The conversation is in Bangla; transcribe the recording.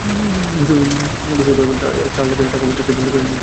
দস্যুদের কথামতো চার লাখ টাকাভর্তি একটি কাপড়ের পুঁটলি গাছের নিচে রাখা হয়।